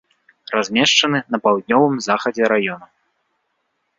Размешчаны на паўднёвым захадзе раёна.